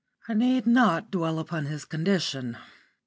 I need not dwell upon his condition.